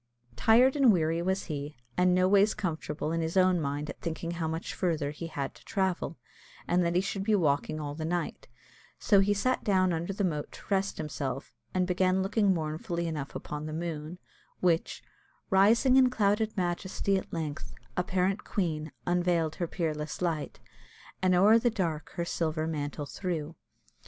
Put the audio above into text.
Tired and weary was he, and noways comfortable in his own mind at thinking how much farther he had to travel, and that he should be walking all the night; so he sat down under the moat to rest himself, and began looking mournfully enough upon the moon, which "Rising in clouded majesty, at length Apparent Queen, unveil'd her peerless light, And o'er the dark her silver mantle threw."